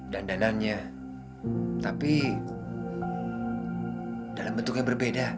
dandalannya tapi dalam bentuknya berbeda